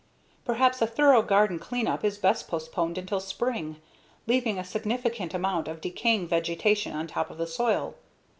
Perhaps a thorough garden clean up is best postponed until spring, leaving a significant amount of decaying vegetation on top of the soil.